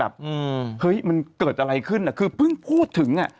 เฮ้ยมันเกิดอะไรขึ้นอ่ะคือเพิ่งพูดถึงอ่ะ